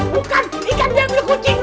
bukan ikan biar beli kucing